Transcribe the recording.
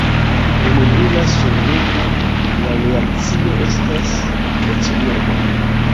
En brila sunlumo la reakcio estas eksploda.